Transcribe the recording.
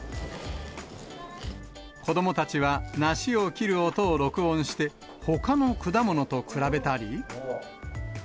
子どもたちは、梨を切る音を録音して、ほかの果物と比べたり。